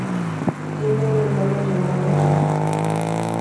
Tiene un hermano llamado Joel.